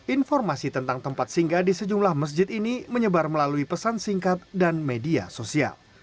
informasi tentang tempat singgah di sejumlah masjid ini menyebar melalui pesan singkat dan media sosial